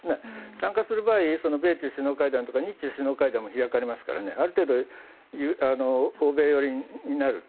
参加する場合、米中首脳会談とか日中首脳会談も開かれますからある程度、欧米寄りになると。